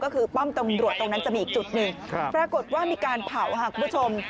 ก็คือป้อมตำรวจตรงนั้นจะมีอีกจุดหนึ่งปรากฏว่ามีการเผาค่ะคุณผู้ชม